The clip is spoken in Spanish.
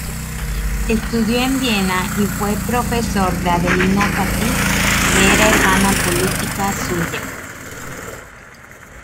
Estudió en Viena y fue profesor de Adelina Patti, que era hermana política suya.